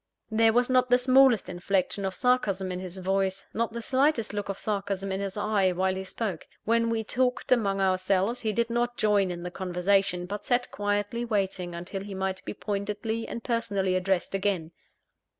There was not the smallest inflection of sarcasm in his voice, not the slightest look of sarcasm in his eye, while he spoke. When we talked among ourselves, he did not join in the conversation; but sat quietly waiting until he might be pointedly and personally addressed again.